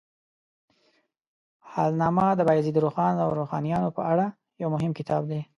حالنامه د بایزید روښان او روښانیانو په اړه یو مهم کتاب دی.